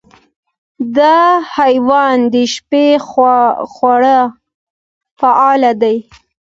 دا حیوان د شپې خورا فعال دی.